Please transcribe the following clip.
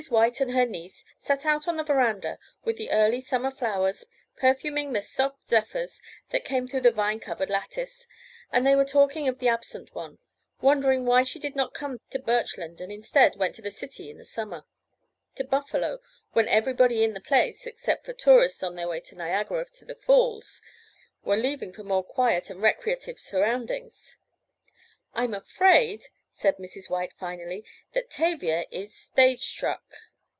White and her niece sat out on the veranda, with the early summer flowers perfuming the soft zephyrs that came through the vine covered lattice, and they were talking of the absent one—wondering why she did not come to Birchland and instead went to the city in the summer—to Buffalo when everybody in the place (except the tourists on the way to Niagara to the Falls), were leaving for more quiet and recreative surroundings. "I'm afraid," said Mrs. White finally, "that Tavia is 'stage struck.